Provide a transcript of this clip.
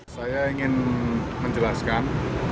saya ingin menjelaskan